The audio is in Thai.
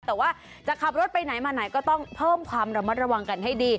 แต่ว่าจะขับรถไปไหนมาไหนก็ต้องเพิ่มความระมัดระวังกันให้ดี